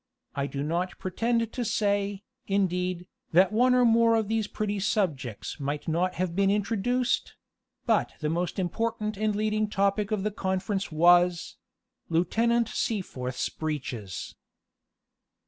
I do not pretend to say, indeed, that one or more of these pretty subjects might not have been introduced; but the most important and leading topic of the conference was Lieutenant Seaforth's breeches.